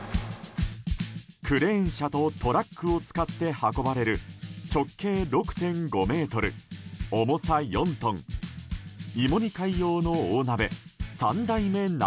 クレーン車とトラックを使って運ばれる直径６．５ｍ、重さ４トン芋煮会用の大鍋３代目鍋